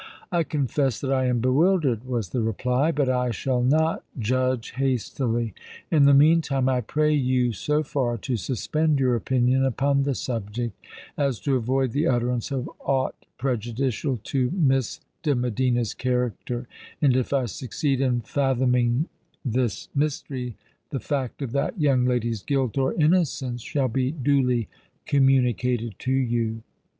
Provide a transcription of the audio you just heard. "I confess that I am bewildered," was the reply. "But I shall not judge hastily. In the meantime, I pray you so far to suspend your opinion upon the subject as to avoid the utterance of aught prejudicial to Miss de Medina's character; and if I succeed in fathoming this mystery, the fact of that young lady's guilt or innocence shall be duly communicated to you."